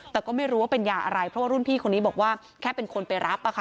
แต่ก็ไม่รู้ว่าเป็นยาอะไรเพราะว่ารุ่นพี่คนนี้บอกว่าแค่เป็นคนไปรับอะค่ะ